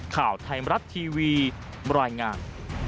ข่าวไทยมรัฐทีวีบรรยายงาน